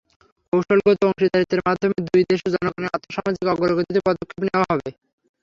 কৌশলগত অংশীদারত্বের মাধ্যমে দুই দেশের জনগণের আর্থসামাজিক অগ্রগতিতে পদক্ষেপ নেওয়া হবে।